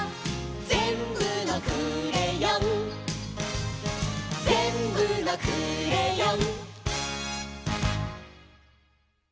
「ぜんぶのクレヨン」「ぜんぶのクレヨン」